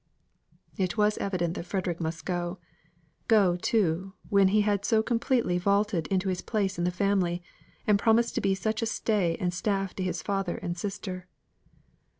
It was evident that Frederick must go. Go, too, when he had so completely vaulted into his place in the family, and promised to be such a stay and staff to his father and sister.